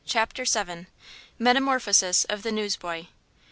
CHAPTER VII. METAMORPHOSIS OF THE NEWSBOY.